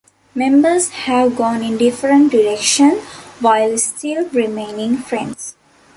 Members have gone in different direction while still remaining friends.